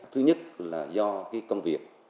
thứ nhất là do cái công việc